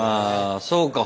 ああそうか。